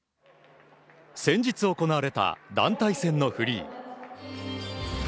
先日行われた団体戦のフリー。